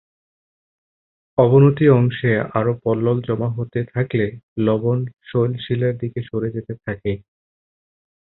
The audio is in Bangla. অবনতি অংশে আরও পলল জমা হতে থাকলে লবণ শৈলশিরার দিকে সরে যেতে থাকে।